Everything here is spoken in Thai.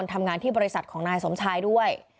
ทำงานที่บริษัทของนายสมชายด้วย